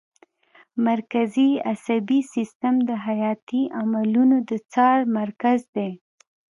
مرکزي عصبي سیستم د حیاتي عملونو د څار مرکز دی